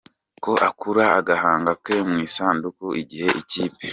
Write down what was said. ko akura agahanga ke mu isanduku igihe ikipe